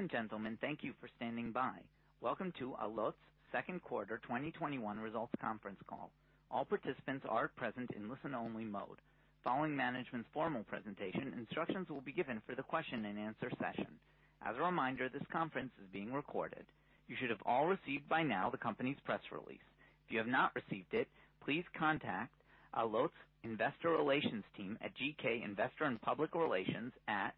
Ladies and gentlemen, thank you for standing by. Welcome to Allot's second quarter 2021 results conference call. All participants are present in listen-only mode. Following management's formal presentation, instructions will be given for the question and answer session. As a reminder, this conference is being recorded. You should have all received by now the company's press release. If you have not received it, please contact Allot's investor relations team at GK Investor & Public Relations at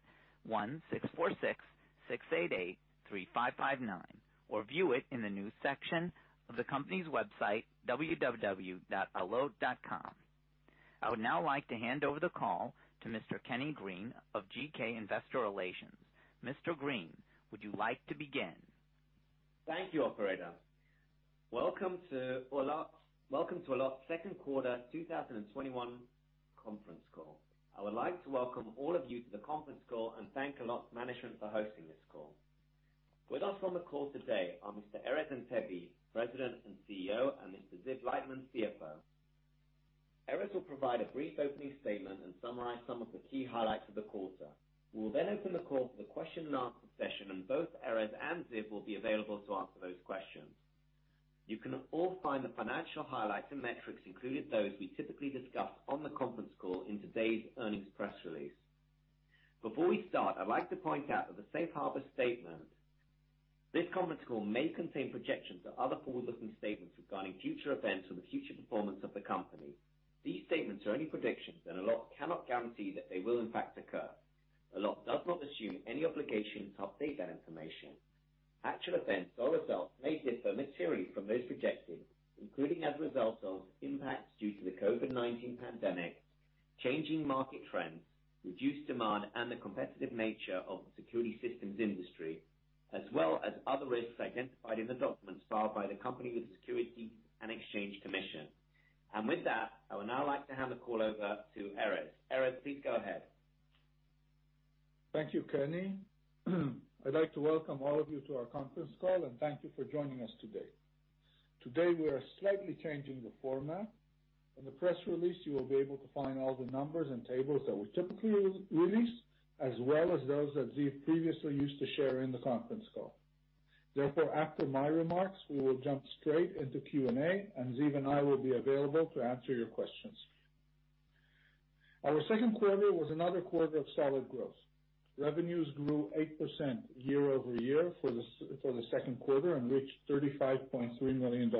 1-646-688-3559, or view it in the news section of the company's website, www.allot.com. I would now like to hand over the call to Mr. Kenny Green of GK Investor Relations. Mr. Green, would you like to begin? Thank you, operator. Welcome to Allot's second quarter 2021 conference call. I would like to welcome all of you to the conference call and thank Allot management for hosting this call. With us on the call today are Mr. Erez Antebi, President and CEO, and Mr. Ziv Leitman, CFO. Erez will provide a brief opening statement and summarize some of the key highlights of the quarter. We will then open the call for the question and answer session, both Erez and Ziv will be available to answer those questions. You can all find the financial highlights and metrics, including those we typically discuss on the conference call, in today's earnings press release. Before we start, I'd like to point out that the safe harbor statement. This conference call may contain projections or other forward-looking statements regarding future events or the future performance of the company. These statements are only predictions and Allot cannot guarantee that they will in fact occur. Allot does not assume any obligation to update that information. Actual events or results may differ materially from those projected, including as a result of impacts due to the COVID-19 pandemic, changing market trends, reduced demand, and the competitive nature of the security systems industry, as well as other risks identified in the documents filed by the company with the Securities and Exchange Commission. With that, I would now like to hand the call over to Erez. Erez, please go ahead. Thank you, Kenny. I'd like to welcome all of you to our conference call, and thank you for joining us today. Today, we are slightly changing the format. In the press release, you will be able to find all the numbers and tables that we typically release, as well as those that Ziv previously used to share in the conference call. After my remarks, we will jump straight into Q&A, and Ziv and I will be available to answer your questions. Our second quarter was another quarter of solid growth. Revenues grew 8% year-over-year for the second quarter and reached $35.3 million.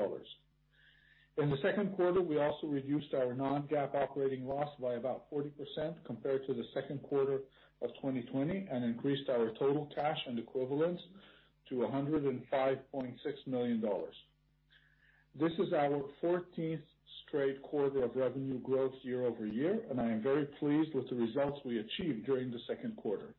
In the second quarter, we also reduced our non-GAAP operating loss by about 40% compared to the second quarter of 2020, and increased our total cash and equivalents to $105.6 million. This is our 14th straight quarter of revenue growth year-over-year. I am very pleased with the results we achieved during the second quarter.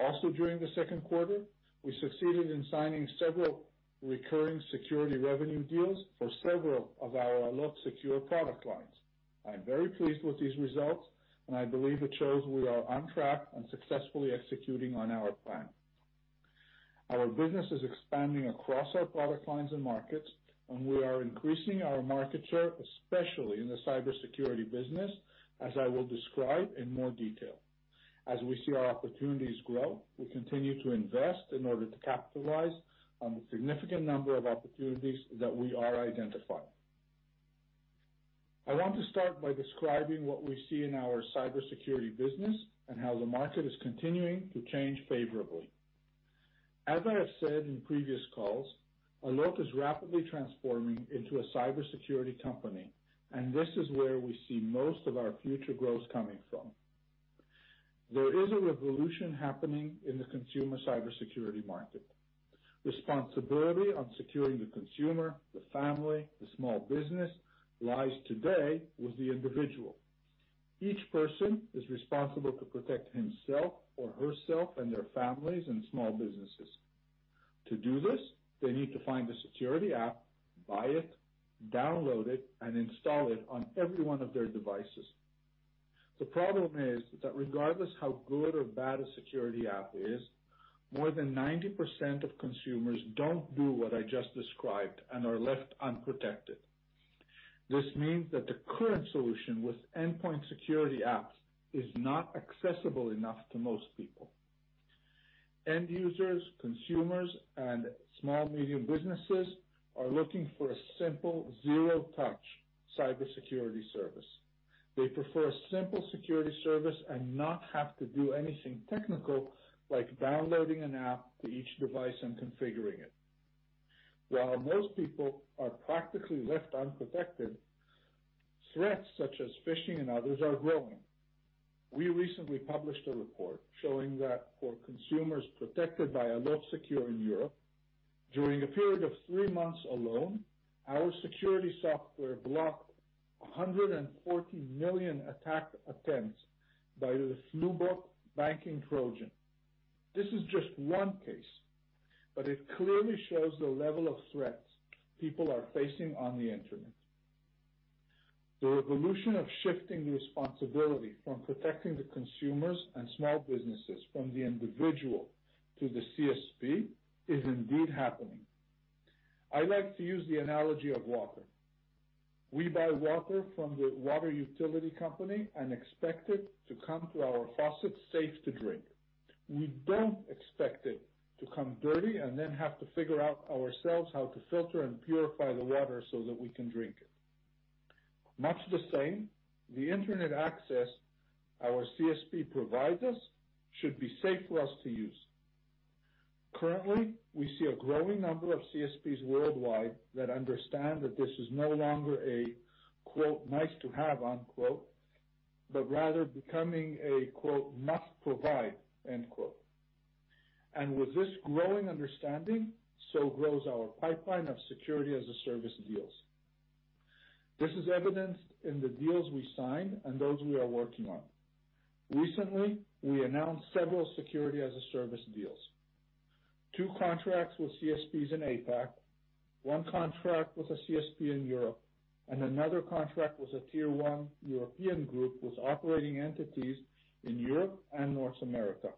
Also during the second quarter, we succeeded in signing several recurring security revenue deals for several of our Allot Secure product lines. I am very pleased with these results. I believe it shows we are on track and successfully executing on our plan. Our business is expanding across our product lines and markets. We are increasing our market share, especially in the cybersecurity business, as I will describe in more detail. As we see our opportunities grow, we continue to invest in order to capitalize on the significant number of opportunities that we are identifying. I want to start by describing what we see in our cybersecurity business and how the market is continuing to change favorably. As I have said in previous calls, Allot is rapidly transforming into a cybersecurity company, and this is where we see most of our future growth coming from. There is a revolution happening in the consumer cybersecurity market. Responsibility on securing the consumer, the family, the small business, lies today with the individual. Each person is responsible to protect himself or herself and their families and small businesses. To do this, they need to find a security app, buy it, download it, and install it on every one of their devices. The problem is that regardless of how good or bad a security app is, more than 90% of consumers don't do what I just described and are left unprotected. This means that the current solution with endpoint security apps is not accessible enough to most people. End users, consumers, and small-medium businesses are looking for a simple zero-touch cybersecurity service. They prefer a simple security service and not have to do anything technical, like downloading an app to each device and configuring it. While most people are practically left unprotected, threats such as phishing and others are growing. We recently published a report showing that for consumers protected by Allot Secure in Europe, during a period of three months alone, our security software blocked 140 million attack attempts by the FluBot banking Trojan. This is just 1 case, but it clearly shows the level of threats people are facing on the internet. The revolution of shifting responsibility from protecting the consumers and small businesses from the individual to the CSP is indeed happening. I like to use the analogy of water. We buy water from the water utility company and expect it to come to our faucet safe to drink. We don't expect it to come dirty and then have to figure out ourselves how to filter and purify the water so that we can drink it. Much the same, the internet access our CSP provides us should be safe for us to use. Currently, we see a growing number of CSPs worldwide that understand that this is no longer a, quote, nice to have, unquote, but rather becoming a, quote, must provide, end quote. With this growing understanding, so grows our pipeline of Security as a Service deals. This is evidenced in the deals we signed and those we are working on. Recently, we announced several Security as a Service deals. Two contracts with CSPs in APAC, one contract with a CSP in Europe, and another contract with a Tier 1 European group with operating entities in Europe and North America.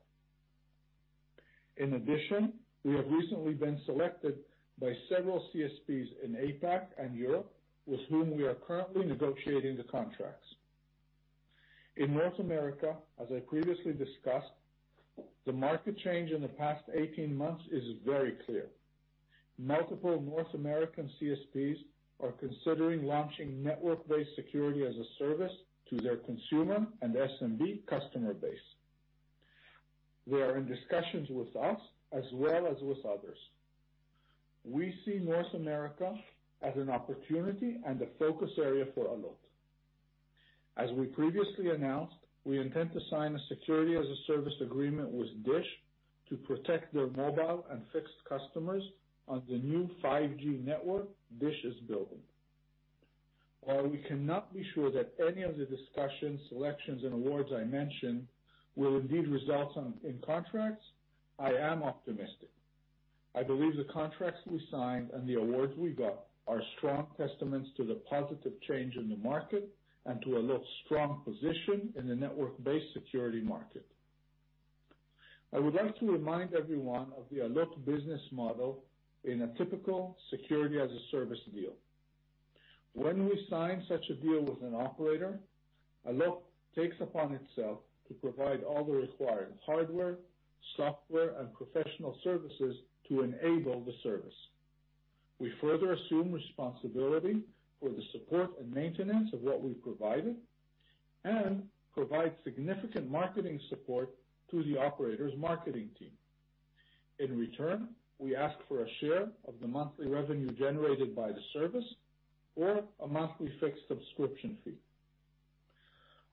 In addition, we have recently been selected by several CSPs in APAC and Europe with whom we are currently negotiating the contracts. In North America, as I previously discussed, the market change in the past 18 months is very clear. Multiple North American CSPs are considering launching network-based Security as a Service to their consumer and SMB customer base. They are in discussions with us as well as with others. We see North America as an opportunity and a focus area for Allot. As we previously announced, we intend to sign a Security as a Service agreement with DISH to protect their mobile and fixed customers on the new 5G network DISH is building. While we cannot be sure that any of the discussions, selections, and awards I mentioned will indeed result in contracts, I am optimistic. I believe the contracts we signed and the awards we got are strong testaments to the positive change in the market and to Allot's strong position in the network-based security market. I would like to remind everyone of the Allot business model in a typical Security as a Service deal. When we sign such a deal with an operator, Allot takes upon itself to provide all the required hardware, software, and professional services to enable the service. We further assume responsibility for the support and maintenance of what we've provided and provide significant marketing support to the operator's marketing team. In return, we ask for a share of the monthly revenue generated by the service or a monthly fixed subscription fee.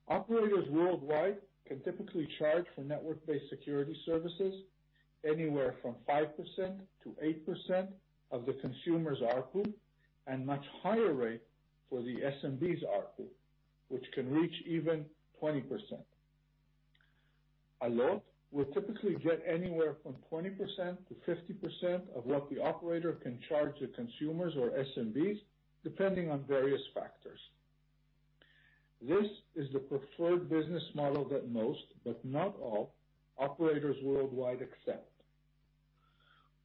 Operators worldwide can typically charge for network-based security services anywhere from 5%-8% of the consumer's ARPU, and much higher rate for the SMB's ARPU, which can reach even 20%. Allot will typically get anywhere from 20%-50% of what the operator can charge the consumers or SMBs, depending on various factors. This is the preferred business model that most, but not all, operators worldwide accept.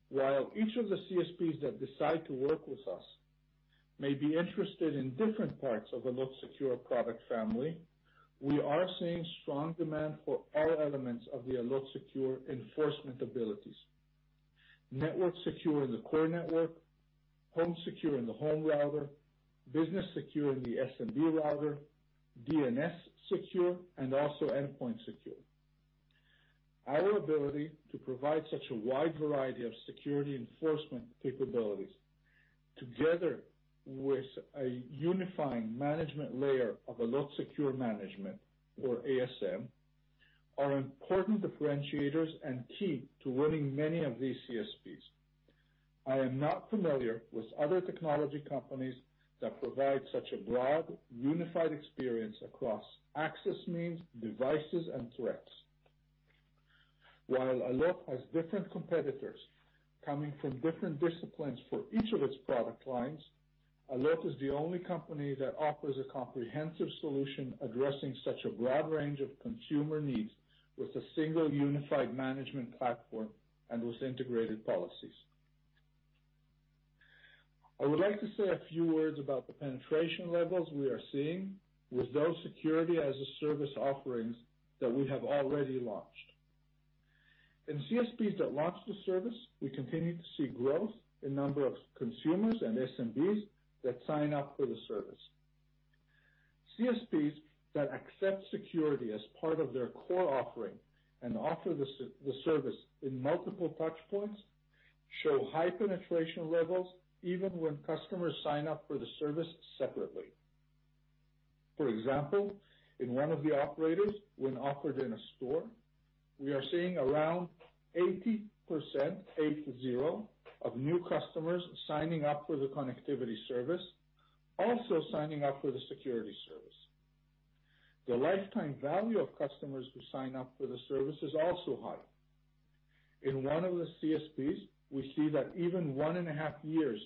While each of the CSPs that decide to work with us may be interested in different parts of Allot Secure product family, we are seeing strong demand for all elements of the Allot Secure enforcement abilities. NetworkSecure in the core network, HomeSecure in the home router, BusinessSecure in the SMB router, DNS Secure, and also EndpointSecure. Our ability to provide such a wide variety of security enforcement capabilities, together with a unifying management layer of Allot Secure Management or ASM, are important differentiators and key to winning many of these CSPs. I am not familiar with other technology companies that provide such a broad, unified experience across access means, devices, and threats. While Allot has different competitors coming from different disciplines for each of its product lines, Allot is the only company that offers a comprehensive solution addressing such a broad range of consumer needs with a single unified management platform and with integrated policies. I would like to say a few words about the penetration levels we are seeing with those Security as a Service offerings that we have already launched. In CSPs that launch the service, we continue to see growth in number of consumers and SMBs that sign up for the service. CSPs that accept security as part of their core offering and offer the service in multiple touch points show high penetration levels, even when customers sign up for the service separately. For example, in one of the operators, when offered in a store, we are seeing around 80% of new customers signing up for the connectivity service, also signing up for the security service. The lifetime value of customers who sign up for the service is also high. In one of the CSPs, we see that even 1.5 years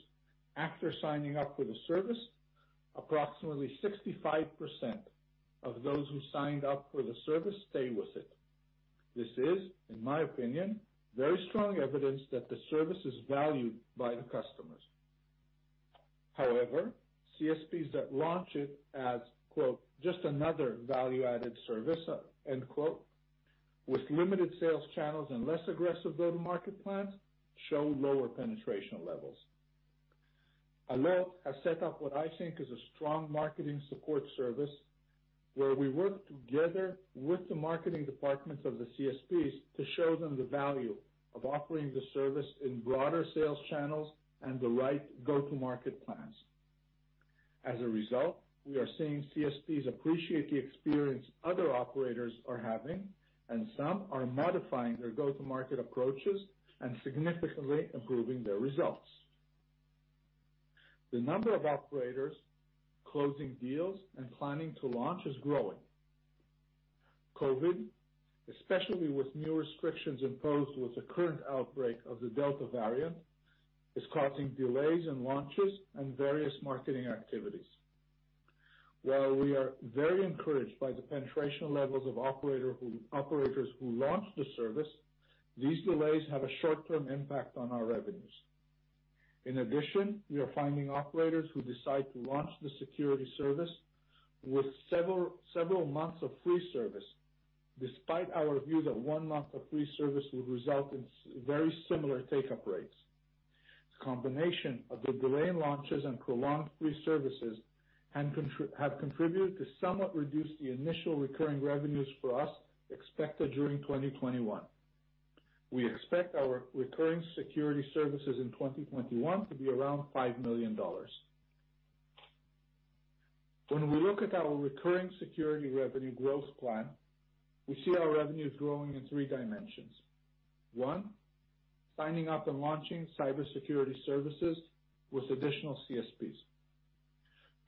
after signing up for the service, approximately 65% of those who signed up for the service stay with it. This is, in my opinion, very strong evidence that the service is valued by the customers. However, CSPs that launch it as, quote, just another value-added service, end quote, with limited sales channels and less aggressive go-to-market plans, show lower penetration levels. Allot has set up what I think is a strong marketing support service where we work together with the marketing departments of the CSPs to show them the value of offering the service in broader sales channels and the right go-to-market plans. As a result, we are seeing CSPs appreciate the experience other operators are having, and some are modifying their go-to-market approaches and significantly improving their results. The number of operators closing deals and planning to launch is growing. COVID, especially with new restrictions imposed with the current outbreak of the Delta variant, is causing delays in launches and various marketing activities. While we are very encouraged by the penetration levels of operators who launch the service, these delays have a short-term impact on our revenues. In addition, we are finding operators who decide to launch the security service with several months of free service, despite our view that one month of free service would result in very similar take-up rates. The combination of the delay in launches and prolonged free services have contributed to somewhat reduce the initial recurring revenues for us expected during 2021. We expect our recurring security services in 2021 to be around $5 million. When we look at our recurring security revenue growth plan, we see our revenues growing in three dimensions. one. Signing up and launching cybersecurity services with additional CSPs.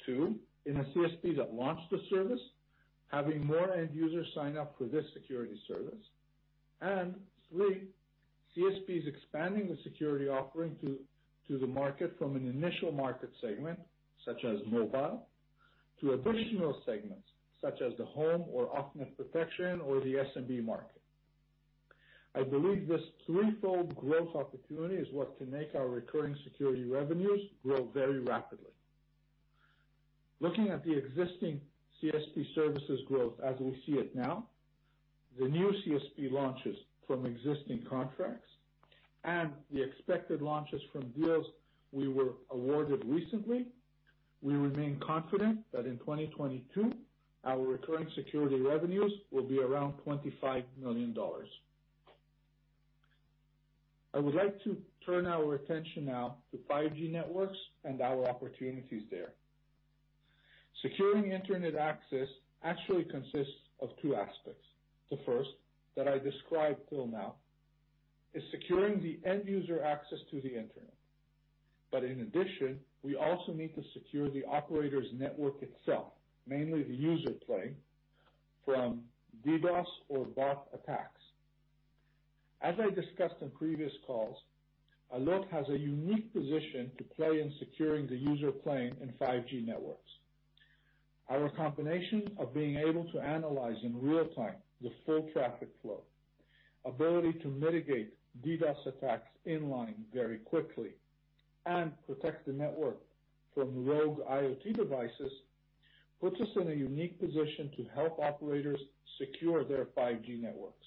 two. In a CSP that launched the service, having more end users sign up for this security service. Three, CSPs expanding the security offering to the market from an initial market segment, such as mobile, to additional segments, such as the home or off-net protection or the SMB market. I believe this threefold growth opportunity is what can make our recurring security revenues grow very rapidly. Looking at the existing CSP services growth as we see it now, the new CSP launches from existing contracts, and the expected launches from deals we were awarded recently, we remain confident that in 2022, our recurring security revenues will be around $25 million. I would like to turn our attention now to 5G networks and our opportunities there. Securing internet access actually consists of two aspects. The first, that I described till now, is securing the end-user access to the internet. In addition, we also need to secure the operator's network itself, mainly the user plane, from DDoS or bot attacks. As I discussed on previous calls, Allot has a unique position to play in securing the user plane in 5G networks. Our combination of being able to analyze in real time the full traffic flow, ability to mitigate DDoS attacks in line very quickly, and protect the network from rogue IoT devices, puts us in a unique position to help operators secure their 5G networks.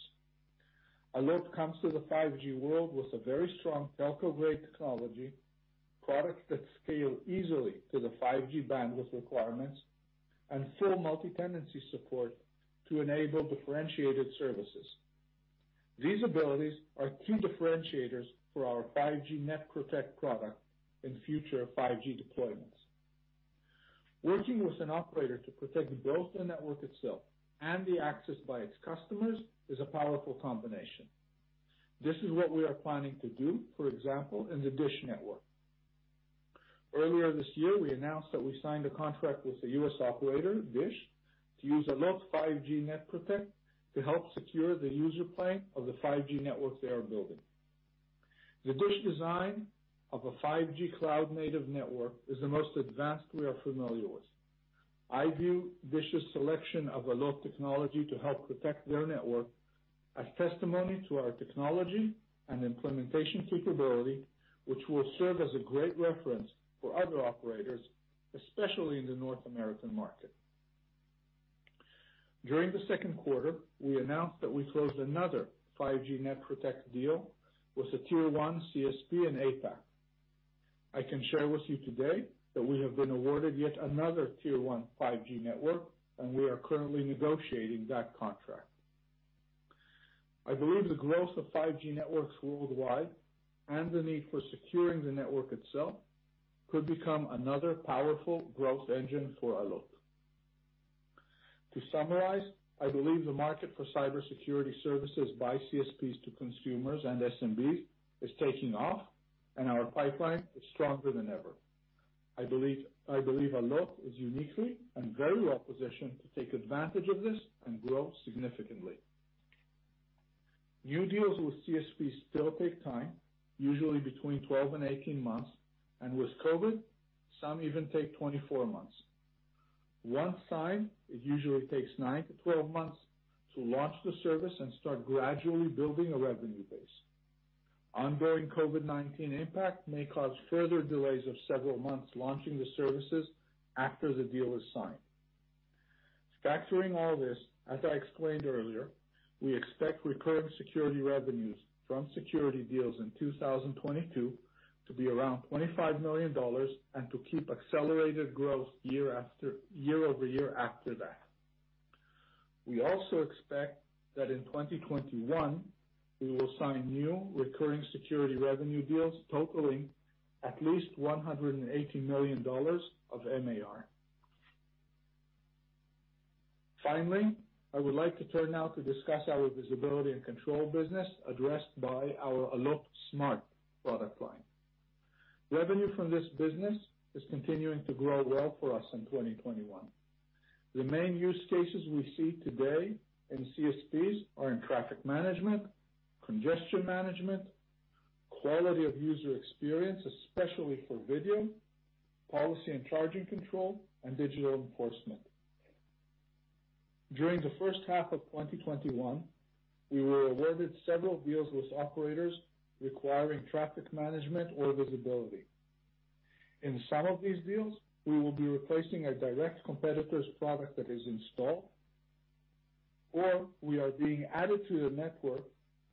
Allot comes to the 5G world with a very strong telco-grade technology, products that scale easily to the 5G bandwidth requirements, and full multi-tenancy support to enable differentiated services. These abilities are key differentiators for our 5G NetProtect product in future 5G deployments. Working with an operator to protect both the network itself and the access by its customers is a powerful combination. This is what we are planning to do, for example, in the DISH Network. Earlier this year, we announced that we signed a contract with the U.S. operator, DISH, to use Allot 5G NetProtect to help secure the user plane of the 5G network they are building. The DISH design of a 5G cloud-native network is the most advanced we are familiar with. I view DISH's selection of Allot technology to help protect their network as testimony to our technology and implementation capability, which will serve as a great reference for other operators, especially in the North American market. During the second quarter, we announced that we closed another 5G NetProtect deal with a Tier 1 CSP in APAC. I can share with you today that we have been awarded yet another Tier 1 5G network, and we are currently negotiating that contract. I believe the growth of 5G networks worldwide and the need for securing the network itself could become another powerful growth engine for Allot. To summarize, I believe the market for cybersecurity services by CSPs to consumers and SMBs is taking off, and our pipeline is stronger than ever. I believe Allot is uniquely and very well-positioned to take advantage of this and grow significantly. New deals with CSPs still take time, usually between 12 and 18 months, and with COVID, some even take 24 months. Once signed, it usually takes 9-12 months to launch the service and start gradually building a revenue base. Ongoing COVID-19 impact may cause further delays of several months launching the services after the deal is signed. Factoring all this, as I explained earlier, we expect recurring security revenues from security deals in 2022 to be around $25 million and to keep accelerated growth year-over-year after that. We also expect that in 2021, we will sign new recurring security revenue deals totaling at least $180 million of MAR. I would like to turn now to discuss our visibility and control business addressed by our Allot Smart product line. Revenue from this business is continuing to grow well for us in 2021. The main use cases we see today in CSPs are in traffic management, congestion management, quality of user experience, especially for video, policy and charging control, and digital enforcement. During the first half of 2021, we were awarded several deals with operators requiring traffic management or visibility. In some of these deals, we will be replacing a direct competitor's product that is installed, or we are being added to the network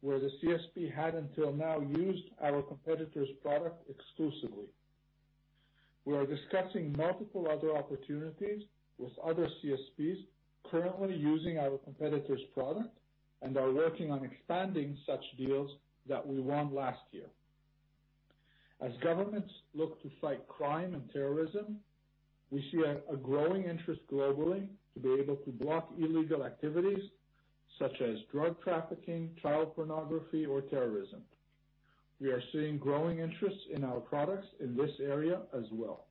where the CSP had until now used our competitor's product exclusively. We are discussing multiple other opportunities with other CSPs currently using our competitor's product and are working on expanding such deals that we won last year. As governments look to fight crime and terrorism, we see a growing interest globally to be able to block illegal activities such as drug trafficking, child pornography, or terrorism. We are seeing growing interest in our products in this area as well.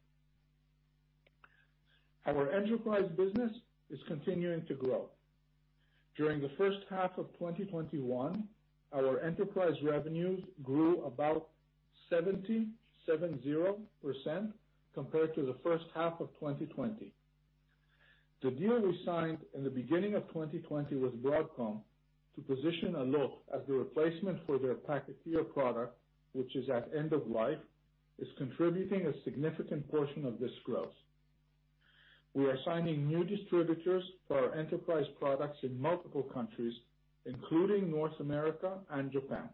Our enterprise business is continuing to grow. During the first half of 2021, our enterprise revenues grew about 70%, compared to the first half of 2020. The deal we signed in the beginning of 2020 with Broadcom to position Allot as the replacement for their PacketShaper product, which is at end of life, is contributing a significant portion of this growth. We are signing new distributors for our enterprise products in multiple countries, including North America and Japan.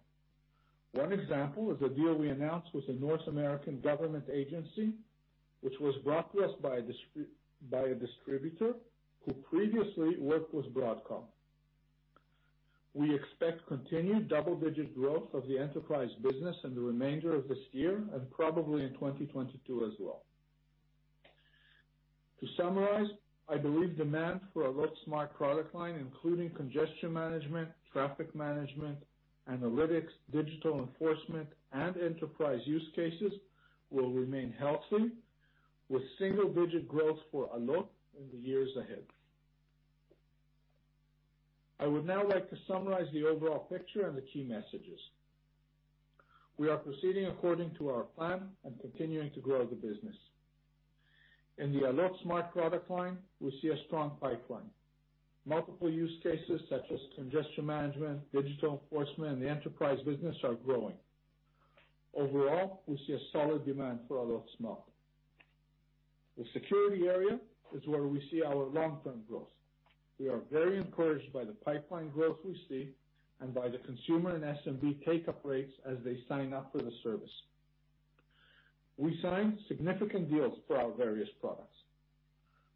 One example is a deal we announced with a North American government agency, which was brought to us by a distributor who previously worked with Broadcom. We expect continued double-digit growth of the enterprise business in the remainder of this year and probably in 2022 as well. To summarize, I believe demand for Allot Smart product line, including congestion management, traffic management, analytics, digital enforcement, and enterprise use cases, will remain healthy with single-digit growth for Allot in the years ahead. I would now like to summarize the overall picture and the key messages. We are proceeding according to our plan and continuing to grow the business. In the Allot Smart product line, we see a strong pipeline. Multiple use cases such as congestion management, digital enforcement, and the enterprise business are growing. Overall, we see a solid demand for Allot Smart. The security area is where we see our long-term growth. We are very encouraged by the pipeline growth we see and by the consumer and SMB take-up rates as they sign up for the service. We signed significant deals for our various products.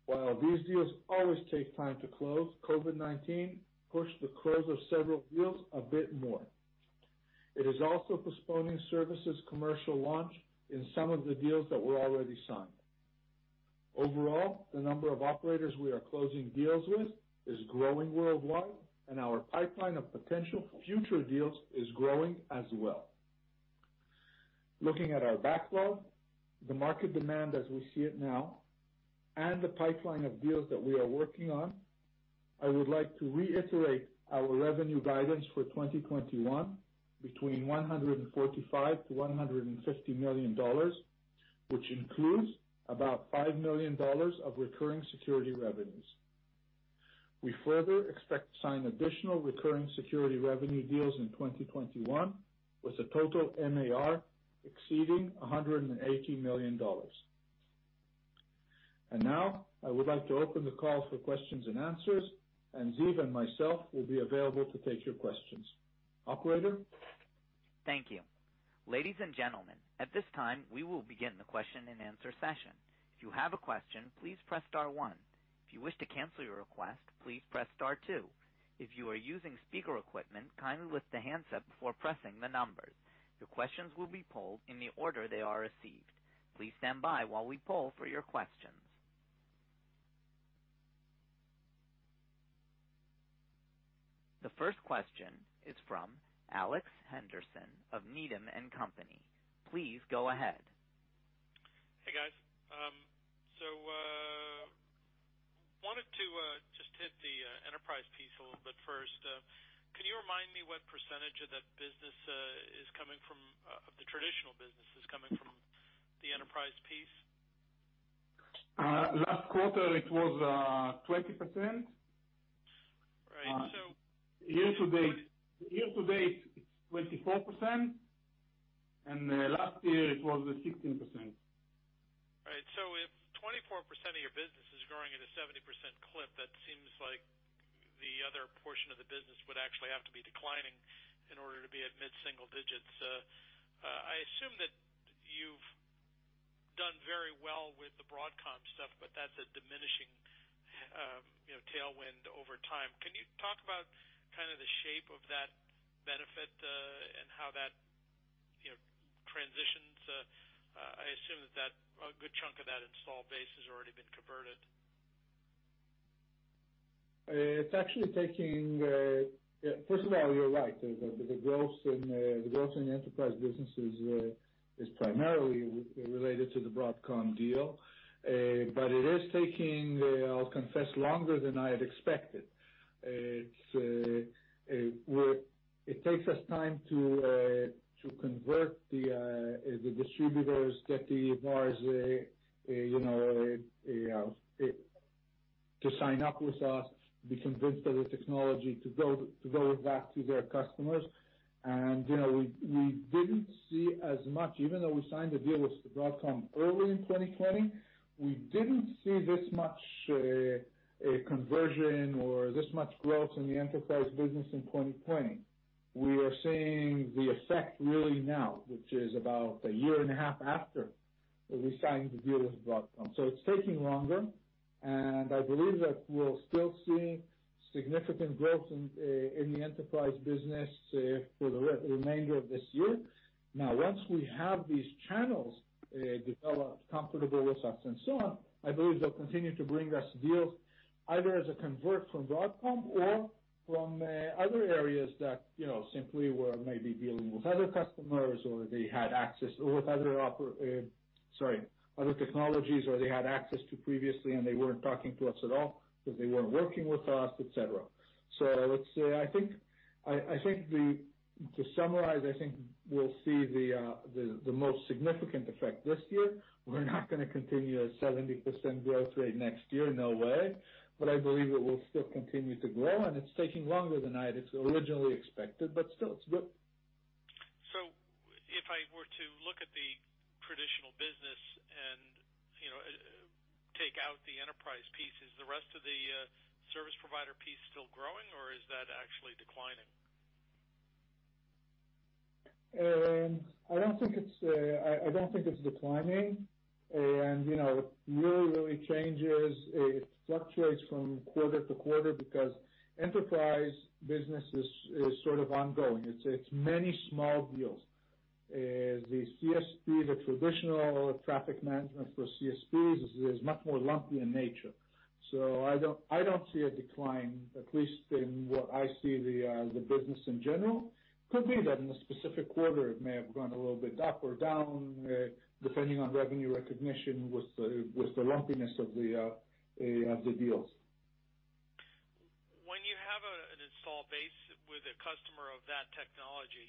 While these deals always take time to close, COVID-19 pushed the close of several deals a bit more. It is also postponing services commercial launch in some of the deals that were already signed. Overall, the number of operators we are closing deals with is growing worldwide, and our pipeline of potential future deals is growing as well. Looking at our backlog, the market demand as we see it now, and the pipeline of deals that we are working on, I would like to reiterate our revenue guidance for 2021 between $145 million-$150 million, which includes about $5 million of recurring security revenues. We further expect to sign additional recurring security revenue deals in 2021, with a total MAR exceeding $180 million. Now, I would like to open the call for questions and answers, and Ziv and myself will be available to take your questions. Operator? Thank you, ladies and gentlemen at this time we will begin the question and answer session, if you have a question please press star one, if you wish the cancel your request please press star two, if your are using speaker equipment kindly lift the handset before pressing the numbers, your questions will be pulled in the order they are received. Please stand by while we pull for questions. The first question is from Alex Henderson of Needham & Company. Please go ahead. Hey, guys. Remind me what percentage of the traditional business is coming from the enterprise piece? Last quarter, it was 20%. Right. Year-to-date, it's 24%, and last year it was 16%. Right. If 24% of your business is growing at a 70% clip, that seems like the other portion of the business would actually have to be declining in order to be at mid-single digits. I assume that you've done very well with the Broadcom stuff, but that's a diminishing tailwind over time. Can you talk about the shape of that benefit, and how that transitions? I assume that a good chunk of that installed base has already been converted. First of all, you're right. The growth in the enterprise business is primarily related to the Broadcom deal. It is taking, I'll confess, longer than I had expected. It takes us time to convert the distributors, get the VARs to sign up with us, be convinced of the technology to go back to their customers. We didn't see as much, even though we signed the deal with Broadcom early in 2020, we didn't see this much conversion or this much growth in the enterprise business in 2020. We are seeing the effect really now, which is about a year and a half after we signed the deal with Broadcom. It's taking longer, and I believe that we'll still see significant growth in the enterprise business for the remainder of this year. Once we have these channels developed, comfortable with us and so on, I believe they'll continue to bring us deals either as a convert from Broadcom or from other areas that simply were maybe dealing with other customers, or they had access or with other technologies, or they had access to previously, and they weren't talking to us at all because they weren't working with us, et cetera. To summarize, I think we'll see the most significant effect this year. We're not going to continue a 70% growth rate next year. No way. I believe it will still continue to grow, and it's taking longer than I'd originally expected, but still, it's good. If I were to look at the traditional business and take out the enterprise piece, is the rest of the service provider piece still growing, or is that actually declining? I don't think it's declining. It really changes. It fluctuates from quarter-to-quarter because enterprise business is sort of ongoing. It's many small deals. The CSP, the traditional traffic management for CSPs is much more lumpy in nature. I don't see a decline, at least in what I see the business in general. Could be that in a specific quarter, it may have gone a little bit up or down, depending on revenue recognition with the lumpiness of the deals. When you have an install base with a customer of that technology,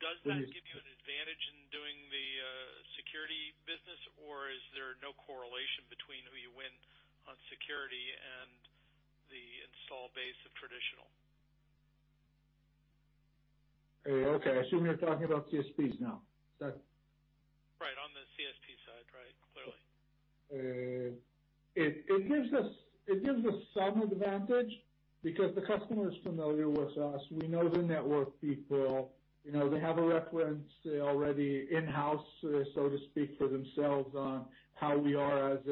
does that give you an advantage in doing the security business, or is there no correlation between who you win on security and the install base of traditional? Okay. I assume you're talking about CSPs now. Right, on the CSP side. Clearly. It gives us some advantage because the customer is familiar with us. We know the network people. They have a reference already in-house, so to speak, for themselves on how we are as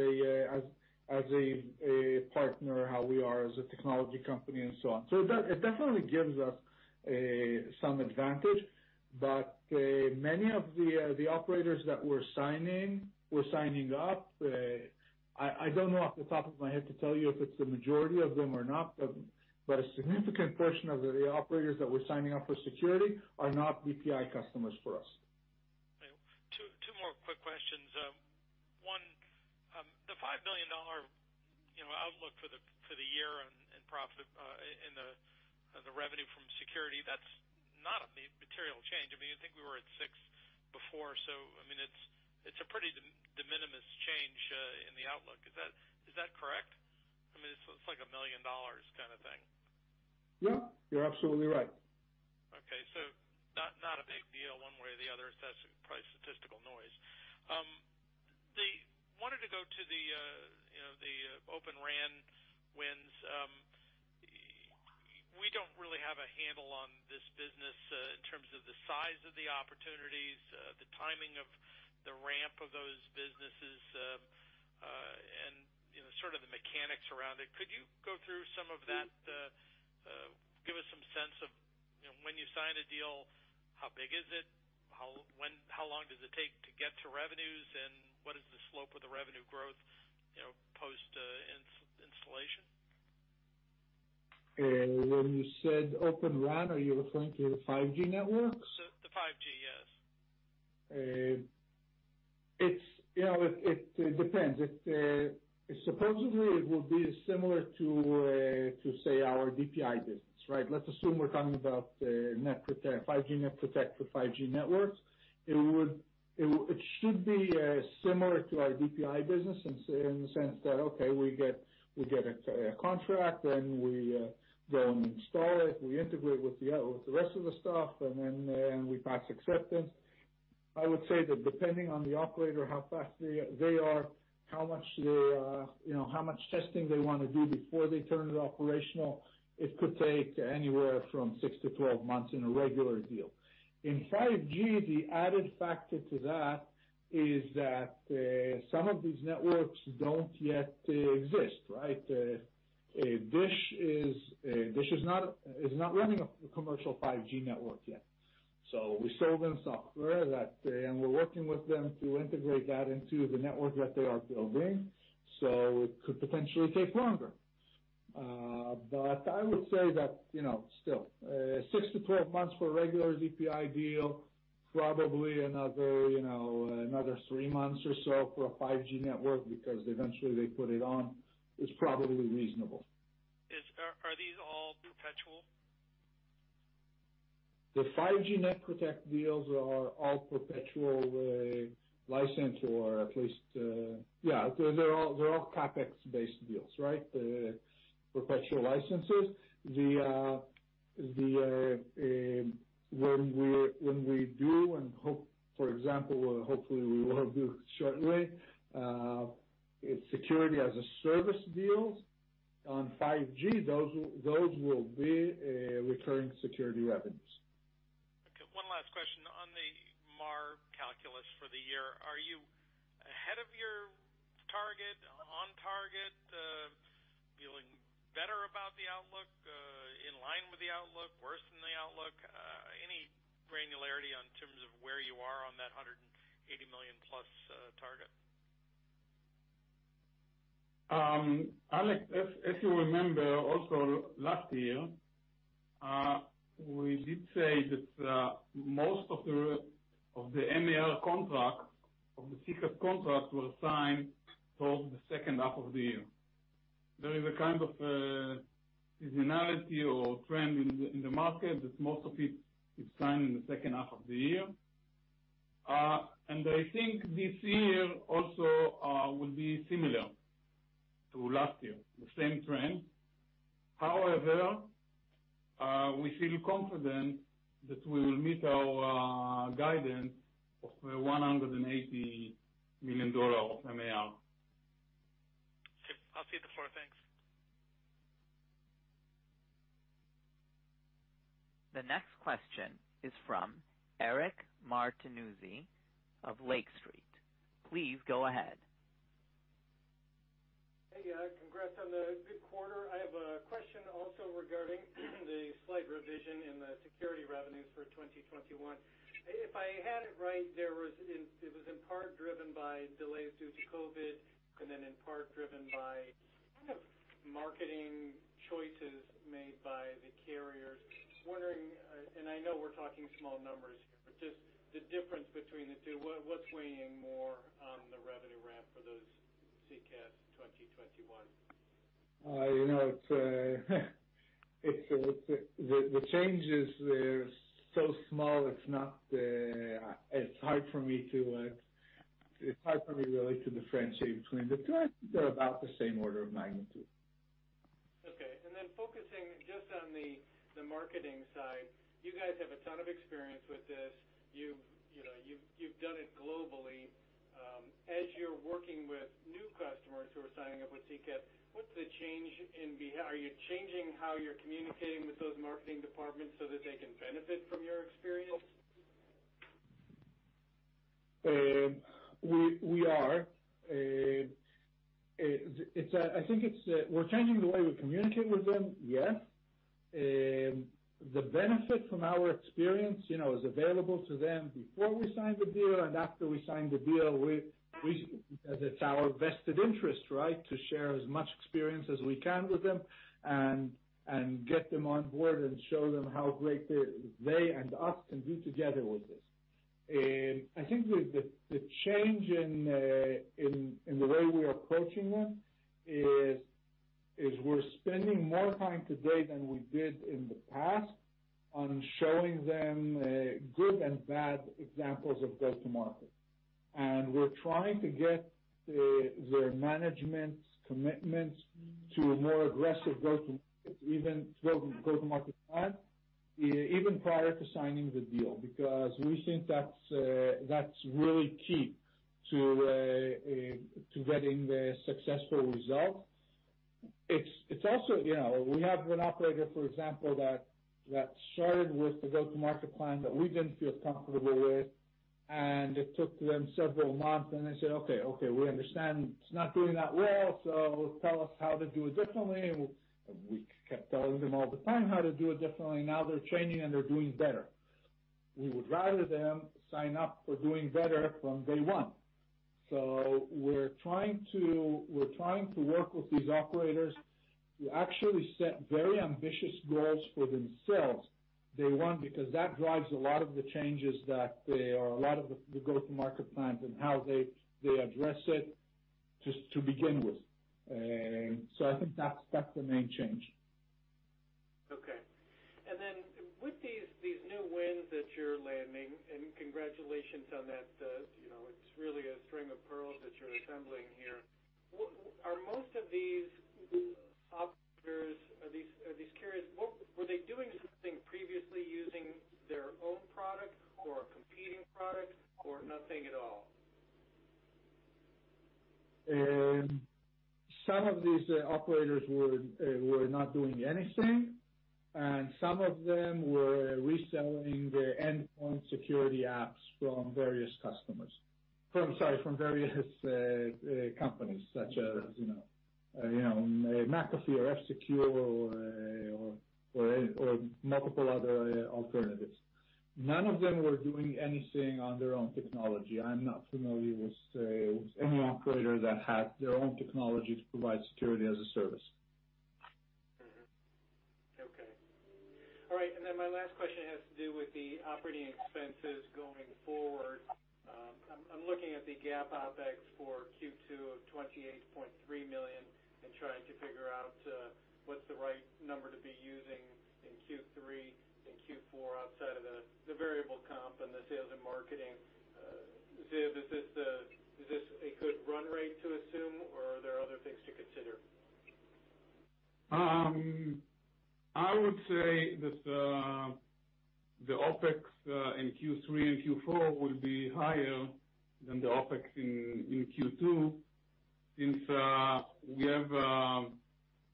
a partner, how we are as a technology company, and so on. It definitely gives us some advantage, but many of the operators that we're signing up, I don't know off the top of my head to tell you if it's the majority of them or not, but a significant portion of the operators that we're signing up for security are not DPI customers for us. Two more quick questions. One, the $5 million outlook for the year and profit, and the revenue from security, that's not a material change. I think we were at $6 million before, so it's a pretty de minimis change in the outlook. Is that correct? It's like a million dollars kind of thing. Yeah. You're absolutely right. Okay. Not a big deal one way or the other. It's probably statistical noise. Wanted to go to the Open RAN wins. We don't really have a handle on this business in terms of the size of the opportunities, the timing of the ramp of those businesses, and sort of the mechanics around it. Could you go through some of that? Give us some sense of when you sign a deal, how big is it? How long does it take to get to revenues, and what is the slope of the revenue growth, post installation? When you said Open RAN, are you referring to 5G networks? 5G, yes. It depends. Supposedly, it will be similar to, say, our DPI business, right? Let's assume we're talking about 5G NetProtect for 5G networks. It should be similar to our DPI business in the sense that, okay, we get a contract, then we go and install it, we integrate with the rest of the stuff, and then we pass acceptance. I would say that depending on the operator, how fast they are, how much testing they want to do before they turn it operational, it could take anywhere from 6-12 months in a regular deal. In 5G, the added factor to that is that some of these networks don't yet exist, right? DISH is not running a commercial 5G network yet. We sell them software, and we're working with them to integrate that into the network that they are building, so it could potentially take longer. I would say that, still, 6-12 months for a regular DPI deal, probably another three months or so for a 5G network, because eventually they put it on, is probably reasonable. Are these all perpetual? The 5G NetProtect deals are all perpetual license or at least Yeah, they're all CapEx-based deals, right? Perpetual licenses. When we do, and for example, hopefully we will do shortly, Security as a Service deals on 5G, those will be recurring security revenues. Okay, one last question. On the MAR calculus for the year, are you ahead of your target, on target, feeling better about the outlook, in line with the outlook, worse than the outlook? Any granularity in terms of where you are on that $180 million+ target? Alex, if you remember also last year, we did say that most of the MAR contract, of the SECaaS contract, was signed towards the second half of the year. There is a kind of seasonality or trend in the market that most of it is signed in the second half of the year. I think this year also will be similar to last year, the same trend. However, we feel confident that we will meet our guidance of $180 million of MAR. Okay. I'll cede the floor. Thanks. The next question is from Eric Martinuzzi of Lake Street. Please go ahead. Hey. Congrats on the good quarter. I have a question also regarding the slight revision in the security revenues for 2021. If I had it right, it was in part driven by delays due to COVID, in part driven by marketing choices made by the carriers. Wondering, and I know we're talking small numbers here, but just the difference between the two, what's weighing more on the revenue ramp for those SECaaS 2021? The changes were so small, it's hard for me, really, to differentiate between the two. I think they're about the same order of magnitude. Okay. Focusing just on the marketing side, you guys have a ton of experience with this. You've done it globally. As you're working with new customers who are signing up with SECaaS, what's the change in behavior? Are you changing how you're communicating with those marketing departments so that they can benefit from your experience? We are. I think we're changing the way we communicate with them, yes. The benefit from our experience is available to them before we sign the deal and after we sign the deal. It's our vested interest, right, to share as much experience as we can with them and get them on board and show them how great they and us can do together with this. I think the change in the way we are approaching them is we're spending more time today than we did in the past on showing them good and bad examples of go-to-market. We're trying to get their management's commitments to a more aggressive go-to-market plan even prior to signing the deal, because we think that's really key to getting the successful result. We have an operator, for example, that started with the go-to-market plan that we didn't feel comfortable with, and it took them several months, and they said, okay, we understand it's not doing that well, so tell us how to do it differently. We kept telling them all the time how to do it differently. Now they're training, and they're doing better. We would rather them sign up for doing better from day one. We're trying to work with these operators to actually set very ambitious goals for themselves. That drives a lot of the changes, or a lot of the go-to-market plans and how they address it to begin with. I think that's the main change. Okay. With these new wins that you're landing, and congratulations on that. It's really a string of pearls that you're assembling here. Are most of these operators, were they doing something previously using their own product or a competing product or nothing at all? Some of these operators were not doing anything. Some of them were reselling their endpoint security apps from various companies, such as McAfee or F-Secure or multiple other alternatives. None of them were doing anything on their own technology. I'm not familiar with any operator that had their own technology to provide Security as a Service. Mm-hmm. Okay. All right, my last question has to do with the operating expenses going forward. I'm looking at the GAAP OpEx for Q2 of $28.3 million and trying to figure out what's the right number to be using in Q3 and Q4 outside of the variable comp and the sales and marketing. Ziv, is this a good run rate to assume, or are there other things to consider? I would say that the OpEx in Q3 and Q4 will be higher than the OpEx in Q2, since we have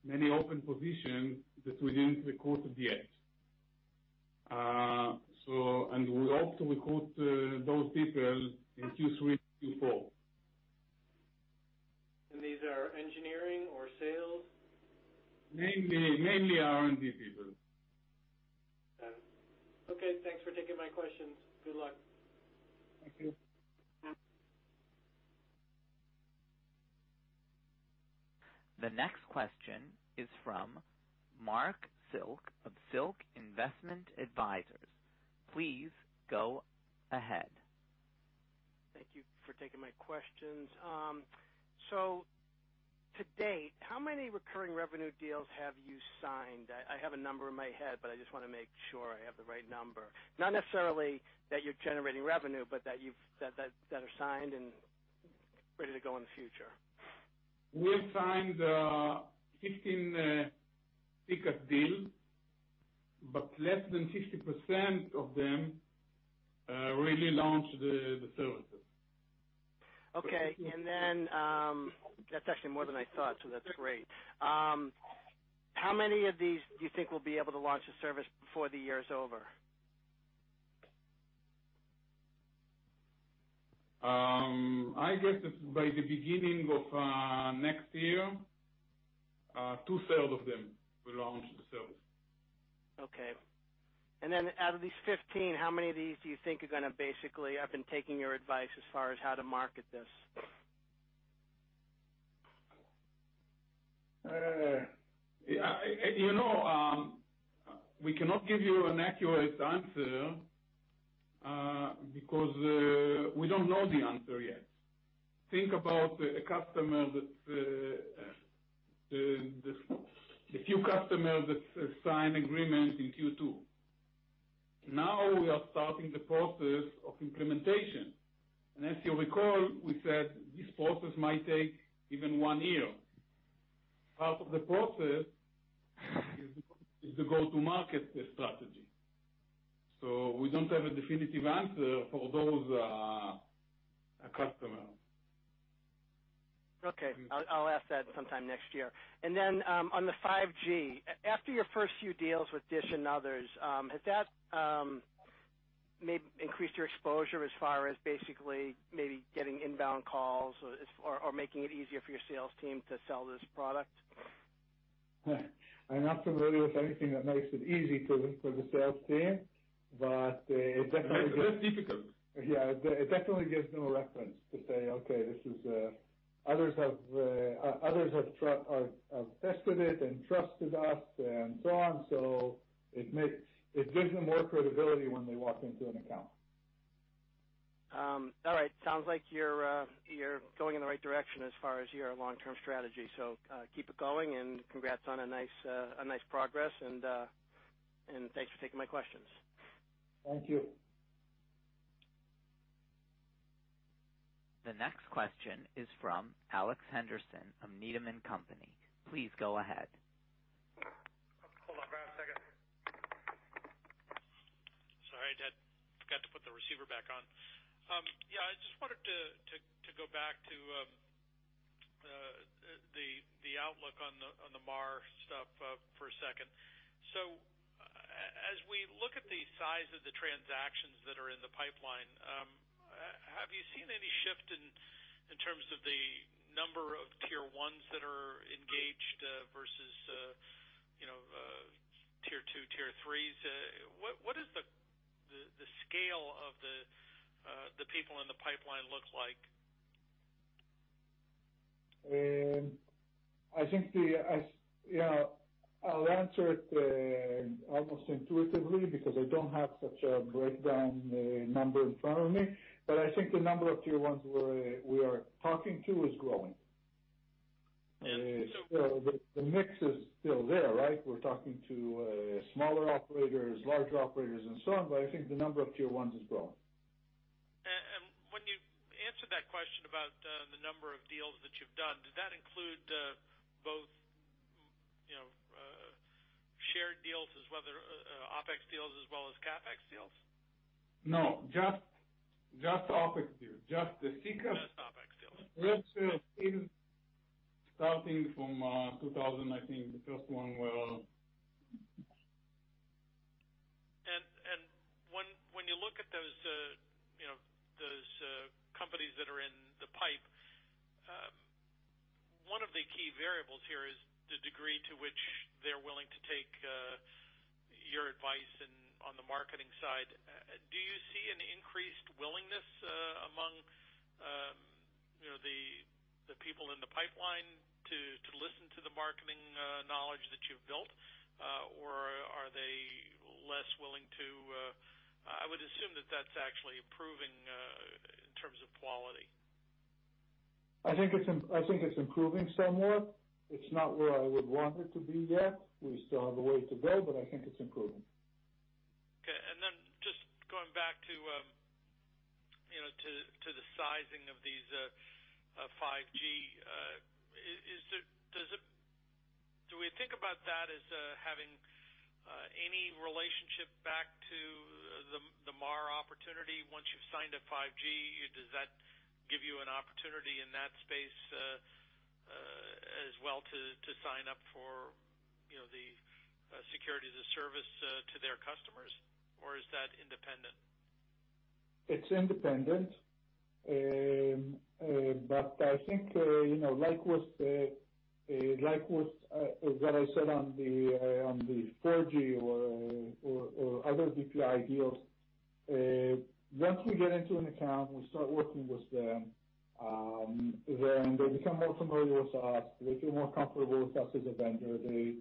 many open positions that we didn't recruit yet. We hope to recruit those people in Q3, Q4. These are engineering or sales? Mainly R&D people. Okay. Thanks for taking my questions. Good luck. Thank you. The next question is from Marc Silk of Silk Investment Advisors. Please go ahead. Thank you for taking my questions. To date, how many recurring revenue deals have you signed? I have a number in my head, but I just want to make sure I have the right number. Not necessarily that you're generating revenue, but that are signed and ready to go in the future. We've signed 15 ticket deals, but less than 50% of them really launched the services. Okay. That's actually more than I thought, so that's great. How many of these do you think will be able to launch a service before the year is over? I guess by the beginning of next year, 2/3 of them will launch the service. Okay. Out of these 15, how many of these do you think are going to basically have been taking your advice as far as how to market this? We cannot give you an accurate answer, because we don't know the answer yet. Think about a few customers that signed agreements in Q2. We are starting the process of implementation. As you recall, we said this process might take even one year. Part of the process is the go-to-market strategy. We don't have a definitive answer for those customers. Okay. I'll ask that sometime next year. On the 5G, after your first few deals with DISH and others, has that maybe increased your exposure as far as basically maybe getting inbound calls or making it easier for your sales team to sell this product? I'm not familiar with anything that makes it easy for the sales team. It's less difficult. Yeah. It definitely gives them a reference to say, okay, others have tested it and trusted us and so on. It gives them more credibility when they walk into an account. All right. Sounds like you're going in the right direction as far as your long-term strategy. Keep it going and congrats on a nice progress, and thanks for taking my questions. Thank you. The next question is from Alex Henderson of Needham & Company. Please go ahead. Hold on for a second. Sorry, I forgot to put the receiver back on. I just wanted to go back to the outlook on the MAR stuff for a second. As we look at the size of the transactions that are in the pipeline, have you seen any shift in terms of the number of Tier 1s that are engaged? Versus you know, Tier 2s, Tier 3s, what does the scale of the people in the pipeline look like? I think I'll answer it almost intuitively because I don't have such a breakdown number in front of me. I think the number of Tier 1s we are talking to is growing. The mix is still there, right? We're talking to smaller operators, larger operators, and so on. I think the number of Tier 1s is growing. When you answered that question about the number of deals that you've done, does that include both shared deals as well, OpEx deals as well as CapEx deals? No, just OpEx deals. Just OpEx deals. starting from 2000, I think, the first one were. When you look at those companies that are in the pipe, one of the key variables here is the degree to which they're willing to take your advice on the marketing side. Do you see an increased willingness among the people in the pipeline to listen to the marketing knowledge that you've built? I would assume that that's actually improving in terms of quality. I think it's improving somewhat. It's not where I would want it to be yet. We still have a way to go, but I think it's improving. Just going back to the sizing of these 5G, do we think about that as having any relationship back to the MAR opportunity once you've signed a 5G? Does that give you an opportunity in that space, as well to sign up for the Security as a Service to their customers? Or is that independent? It's independent. I think, like what I said on the 4G or other DPI deals, once we get into an account, we start working with them, they become more familiar with us. They feel more comfortable with us as a vendor. They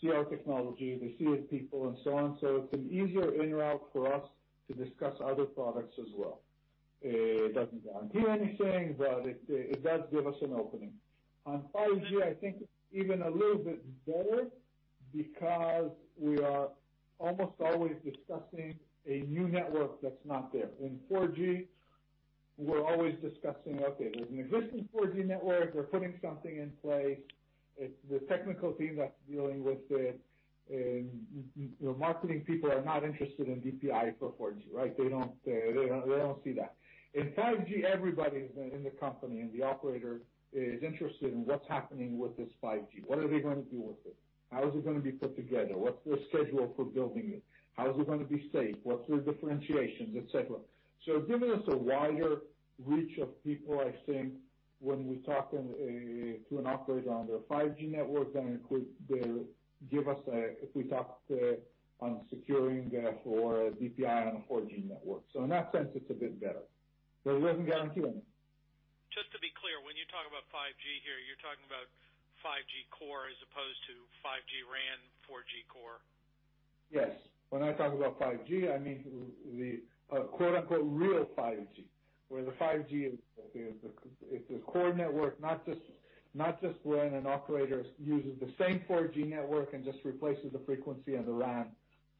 see our technology, they see our people, and so on. It's an easier in route for us to discuss other products as well. It doesn't guarantee anything, but it does give us an opening. On 5G, I think even a little bit better because we are almost always discussing a new network that's not there. In 4G, we're always discussing, okay, there's an existing 4G network. We're putting something in place. The technical team that's dealing with it, marketing people are not interested in DPI for 4G, right? They don't see that. In 5G, everybody in the company, and the operator, is interested in what's happening with this 5G. What are we going to do with it? How is it going to be put together? What's the schedule for building it? How is it going to be safe? What's the differentiations, et cetera. It's giving us a wider reach of people, I think, when we talk to an operator on their 5G network, than it would give us if we talked on securing for DPI on a 4G network. In that sense, it's a bit better, but it doesn't guarantee anything. Just to be clear, when you talk about 5G here, you're talking about 5G core as opposed to 5G RAN, 4G core? Yes. When I talk about 5G, I mean the quote-unquote real 5G, where the 5G is the core network, not just when an operator uses the same 4G network and just replaces the frequency and the RAN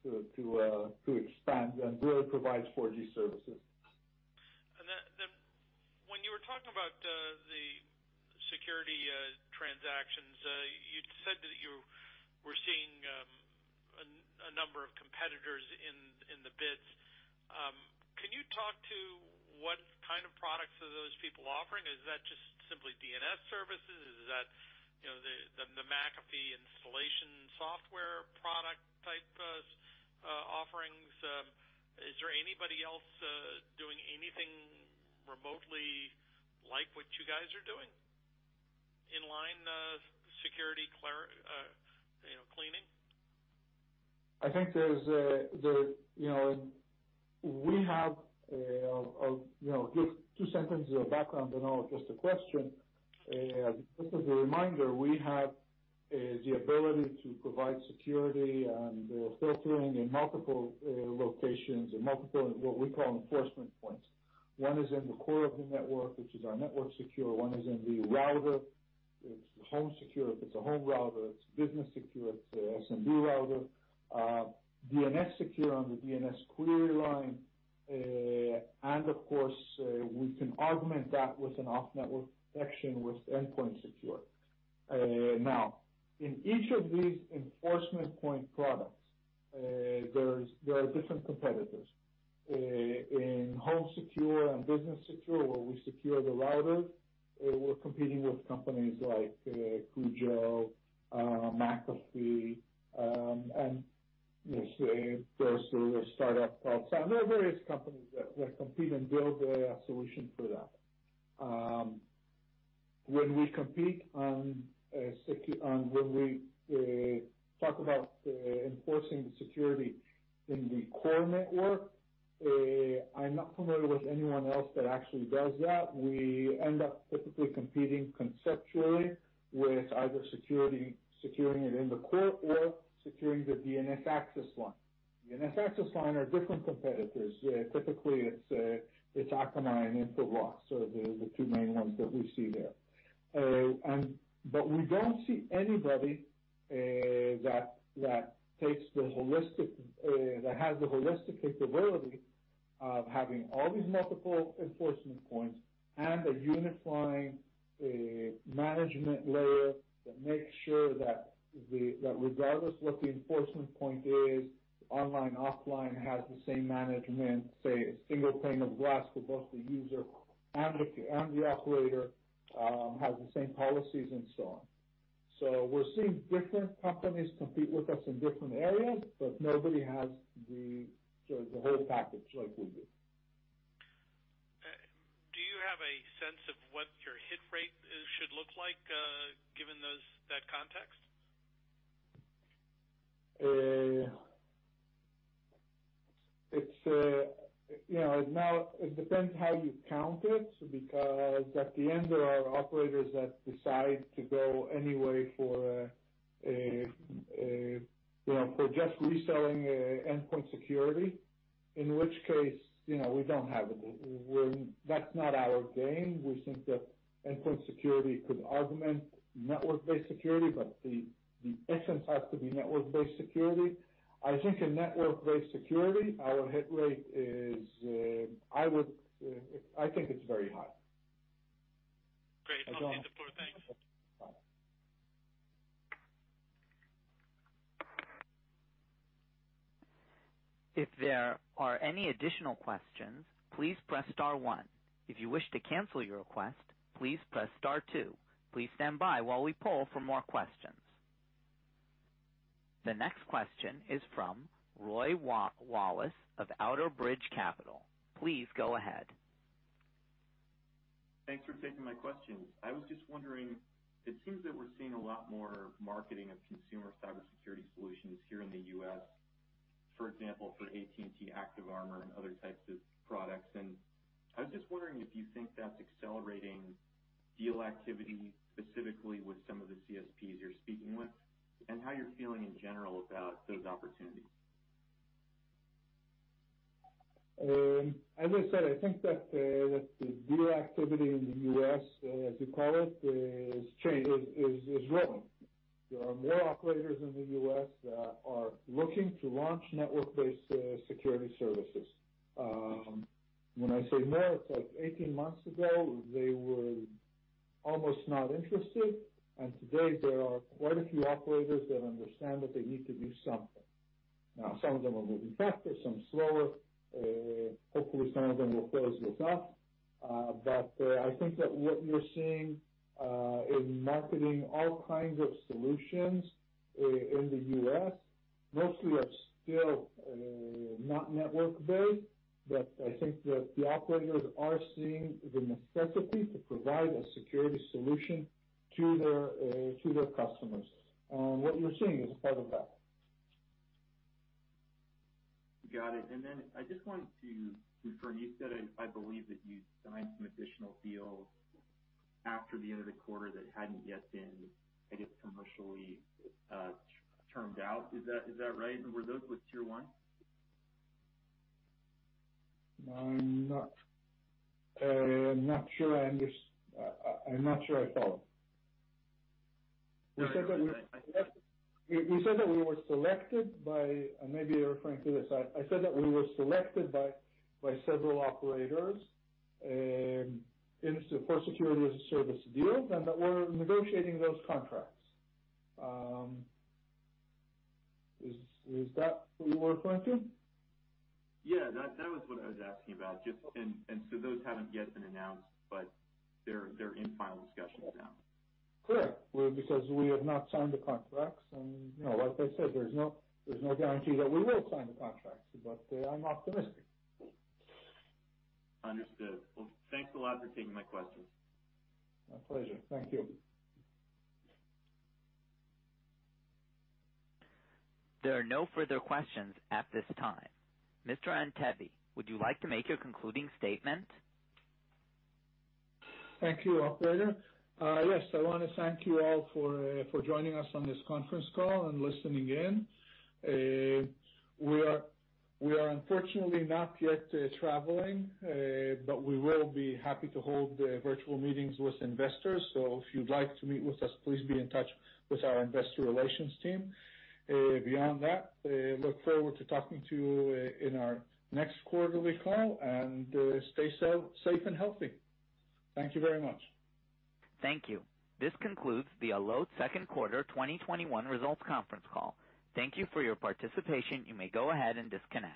to expand and really provides 4G services. When you were talking about the security transactions, you'd said that you were seeing a number of competitors in the bids. Can you talk to what kind of products are those people offering? Is that just simply DNS services? Is that the McAfee installation software product-type offerings? Is there anybody else doing anything remotely like what you guys are doing, inline security cleaning? I think two sentences of background on just the question. Just as a reminder, we have the ability to provide security and filtering in multiple locations, in multiple, what we call enforcement points. One is in the core of the network, which is our NetworkSecure. One is in the router. It's HomeSecure if it's a home router, it's BusinessSecure, it's a SMB router. DNS Secure on the DNS query line. Of course, we can augment that with an off-network section with EndpointSecure. Now, in each of these enforcement point products, there are different competitors. In HomeSecure and BusinessSecure, where we secure the router, we're competing with companies like CUJO, McAfee, and there's a startup called. There are various companies that compete and build a solution for that. When we compete on security, when we talk about enforcing the security in the core network, I'm not familiar with anyone else that actually does that. We end up typically competing conceptually with either security, securing it in the core or securing the DNS access line. DNS access line are different competitors. Typically, it's Akamai and Infoblox, are the two main ones that we see there. We don't see anybody that has the holistic capability of having all these multiple enforcement points and a unifying management layer that makes sure that regardless what the enforcement point is, online, offline has the same management, say, a single pane of glass for both the user and the operator, has the same policies and so on. We're seeing different companies compete with us in different areas, but nobody has the whole package like we do. Do you have a sense of what your hit rate should look like given that context? It depends how you count it, because at the end, there are operators that decide to go anyway for just reselling endpoint security. In which case, we don't have it. That's not our game. We think that endpoint security could augment network-based security, but the essence has to be network-based security. I think in network-based security, our hit rate is, I think it's very high. Great. I'll leave it there. Thanks. If there are any additional questions please press star one, if you wish to cancel your request please press star two. Please stand by while we pull from out questions. The next question is from Rory Wallace of Outerbridge Capital. Please go ahead. Thanks for taking my question. I was just wondering, it seems that we're seeing a lot more marketing of consumer cybersecurity solutions here in the U.S., for example, for AT&T ActiveArmor and other types of products, and I was just wondering if you think that's accelerating deal activity specifically with some of the CSPs you're speaking with, and how you're feeling in general about those opportunities. As I said, I think that the deal activity in the U.S., as you call it, is growing. There are more operators in the U.S. that are looking to launch network-based security services. When I say more, it's like 18 months ago, they were almost not interested. Today there are quite a few operators that understand that they need to do something. Some of them are moving faster, some slower. Hopefully, some of them will close this up. I think that what we're seeing in marketing all kinds of solutions in the U.S., mostly are still not network-based, but I think that the operators are seeing the necessity to provide a security solution to their customers. What we're seeing is part of that. Got it. I just wanted to confirm, you said, I believe that you signed some additional deals after the end of the quarter that hadn't yet been, I guess, commercially termed out. Is that right? Were those with Tier 1? I'm not sure I follow. We said that we were selected by, maybe you're referring to this. I said that we were selected by several operators for Security as a Service deal, and that we're negotiating those contracts. Is that what you were referring to? Yeah, that was what I was asking about. Those haven't yet been announced, but they're in final discussions now. Correct. Because we have not signed the contracts, and like I said, there's no guarantee that we will sign the contracts. I'm optimistic. Understood. Well, thanks a lot for taking my questions. My pleasure. Thank you. There are no further questions at this time. Mr. Antebi, would you like to make your concluding statement? Thank you, operator. Yes, I want to thank you all for joining us on this conference call and listening in. We are unfortunately not yet traveling, but we will be happy to hold virtual meetings with investors. If you'd like to meet with us, please be in touch with our investor relations team. Beyond that, look forward to talking to you in our next quarterly call, and stay safe and healthy. Thank you very much. Thank you. This concludes the Allot second quarter 2021 results conference call. Thank you for your participation. You may go ahead and disconnect.